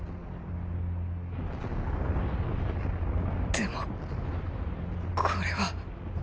でもこれは。